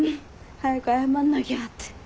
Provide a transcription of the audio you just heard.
早く謝んなきゃって。